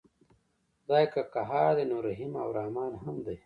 خدای که قهار دی نو رحیم او رحمن هم دی.